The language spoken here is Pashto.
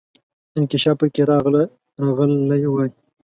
انکشاف پکې راغلی وای.